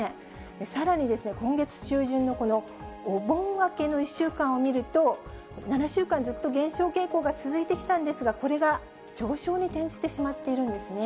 さらにですね、今月中旬のこのお盆明けの１週間を見ると、７週間ずっと減少傾向が続いてきたんですが、これが上昇に転じてしまっているんですね。